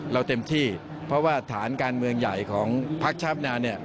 เราเต็มที่เพราะว่าฐานการเมืองใหญ่ของพักฯชาปนา